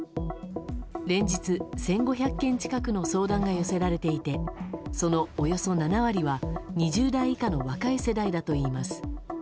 連日、１５００件近くの相談が寄せられていてそのおよそ７割は２０代以下の若い世代だといいます。